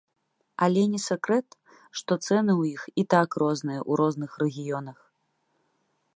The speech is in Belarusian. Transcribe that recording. Але не сакрэт, што цэны ў іх і так розныя ў розных рэгіёнах.